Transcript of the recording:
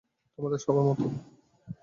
তোমাদের সবার মতো।